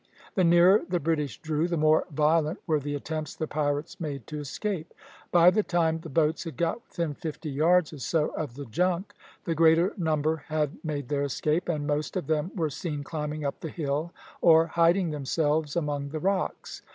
The nearer the British drew, the more violent were the attempts the pirates made to escape. By the time the boats had got within fifty yards or so of the junk, the greater number had made their escape, and most of them were seen climbing up the hill, or hiding themselves among the rocks.